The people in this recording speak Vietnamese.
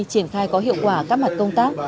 triển khai có hiệu quả các mặt công tác